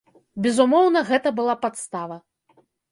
Безумоўна, гэта была падстава.